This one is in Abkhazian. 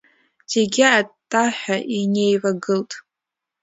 Зегьы аттаҳәа инеивагылт.